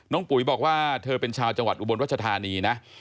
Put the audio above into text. ปุ๋ยบอกว่าเธอเป็นชาวจังหวัดอุบลรัชธานีนะ